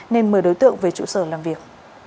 nên mời đối tượng về trụ sở làm việc